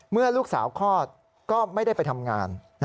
เมื่อลูกสาวคลอดก็ไม่ได้ไปทำงาน